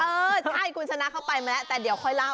เออใช่คุณชนะเข้าไปมาแล้วแต่เดี๋ยวค่อยเล่า